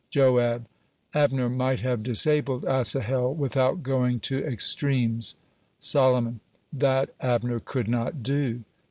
Joab: "Abner might have disabled Asahel without going to extremes." Solomon: "That Abner could not do."